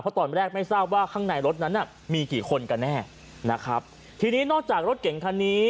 เพราะตอนแรกไม่ทราบว่าข้างในรถนั้นน่ะมีกี่คนกันแน่นะครับทีนี้นอกจากรถเก่งคันนี้